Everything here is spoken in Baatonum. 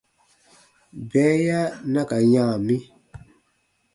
Bɛɛya na ka yã mi.